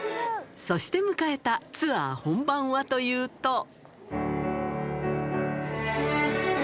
そして迎えたツアー本番はというと。